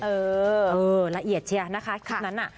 เออละเอียดเชียร์นะคะคลิปนั้นน่ะ